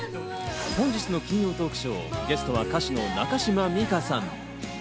本日の金曜トークショー、ゲストは歌手の中島美嘉さん。